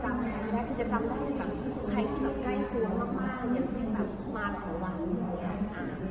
จำได้คือจะจำได้แบบใครที่แบบใกล้ตัวมากอย่างช่างแบบมาแบบทั้งวันอยู่เนี่ย